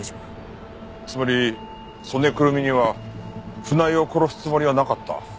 つまり曽根くるみには船井を殺すつもりはなかった。